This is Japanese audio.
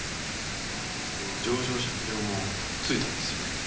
情状酌量もついたんですよね？